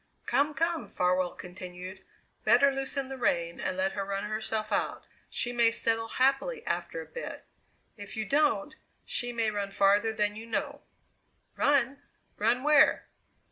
"Come, come," Farwell continued; "better loosen the rein and let her run herself out she may settle happily after a bit. If you don't, she may run farther than you know." "Run? Run where?"